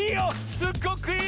すっごくいいよ！